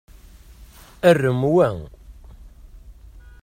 Arem wa.